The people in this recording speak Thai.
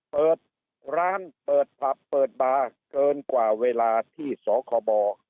เปิดร้านเปิดผับเปิดบาร์เกินกว่าเวลาที่สคบ